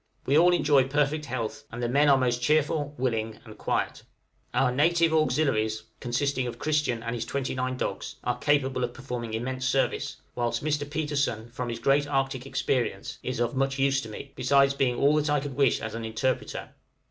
We all enjoy perfect health, and the men are most cheerful, willing, and quiet. {PROSPECT FOR WINTER.} Our "native auxiliaries," consisting of Christian and his twenty nine dogs, are capable of performing immense service; whilst Mr. Petersen, from his great Arctic experience, is of much use to me, besides being all that I could wish as an interpreter.